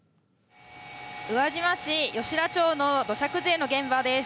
宇和島市吉田町の土砂崩れの現場です。